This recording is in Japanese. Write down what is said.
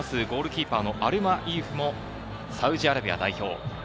ゴールキーパーのアルマイウフもサウジアラビア代表。